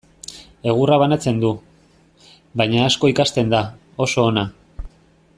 Egurra banatzen du, baina asko ikasten da, oso ona da.